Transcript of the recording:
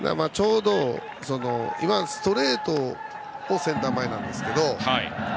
今、ストレートをセンター前なんですけど。